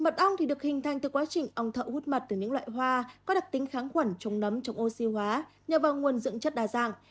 mật ong được hình thành từ quá trình ong thợ hút mặt từ những loại hoa có đặc tính kháng quẩn trống nấm trong oxy hóa nhờ vào nguồn dưỡng chất đa dạng